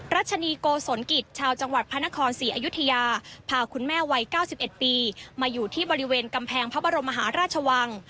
รัชนีโกศลกิจชาวจังหวัดพระนครศรีอยุธยาพาคุณแม่วัย๙๑ปีมาอยู่ที่บริเวณกำแพงพระบรมมหาราชวัง